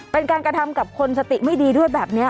เป็นการกระทำกับคนสติไม่ดีด้วยแบบนี้